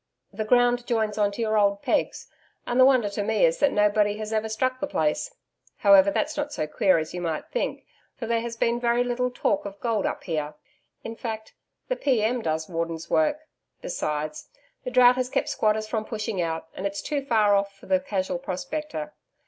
The ground joins on to your old pegs; and the wonder to me is that nobody has ever struck the place. However, that's not so queer as you might think, for there has been very little talk of gold up here in fact the P.M. does Warden's work. Besides, the drought has kept squatters from pushing out, and it's too far off for the casual prospector.